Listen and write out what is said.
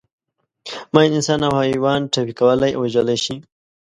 ماین انسان او حیوان ټپي کولای او وژلای شي.